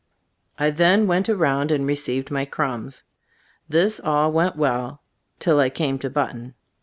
I then went around and received my crumbs. This all went well till I came to But ton.